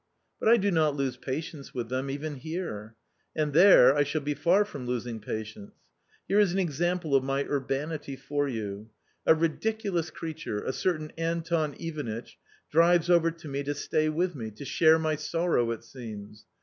But I do not lose patience with them even here, and there I shall be far from losing patience. Here is an example of my urbanity for you : a ridiculous creature, a certain Anton Ivanitch, drives over to me to stay with me, to share my sorrow, it seems.